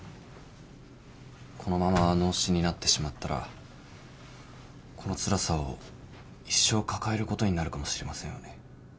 このまま脳死になってしまったらこのつらさを一生抱えることになるかもしれませんよね。